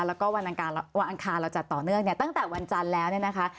แล้วก็วันอังคารเราจัดต่อเนื่องเนี่ยตั้งแต่วันจันทร์แล้วเนี่ยนะคะ